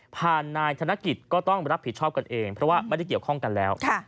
นายธนกิจก็ต้องรับผิดชอบกันเองเพราะว่าไม่ได้เกี่ยวข้องกันแล้ว